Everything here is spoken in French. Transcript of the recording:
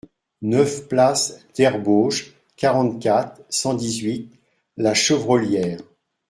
neuf place d'Herbauges, quarante-quatre, cent dix-huit, La Chevrolière